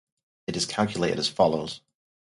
It is calculated as follows.